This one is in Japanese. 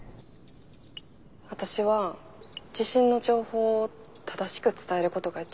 私は地震の情報を正しく伝えることが一番やと思ってた。